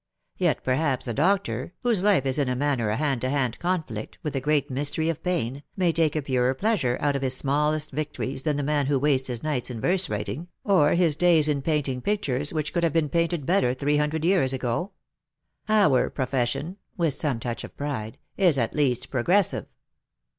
Yet perhaps a doctor, whose life is in a manner a hand to hand conflict with the great mystery of pain, may take a purer plea sure out of his smallest victories than the man who wastes his nights in verse writing, or his days in painting pictures which could have been painted better three hundred years ago. Our profession," with some touch of pride, " is at least progressive.''